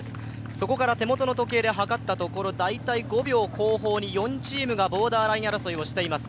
そこから手元の時計ではかったところ大体５秒後方に４チームがボーダーライン争いをしています。